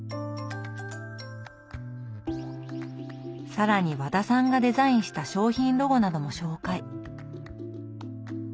更に和田さんがデザインした商品ロゴなども紹介。